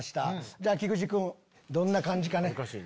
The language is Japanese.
じゃあ菊池くんどんな感じかね。